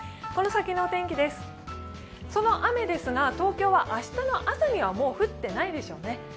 この先のお天気です、その雨ですが東京は明日の朝にはもう降ってないでしょうね。